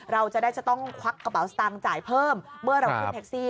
เราจะได้จะต้องควักกระเป๋าสตางค์จ่ายเพิ่มเมื่อเราขึ้นแท็กซี่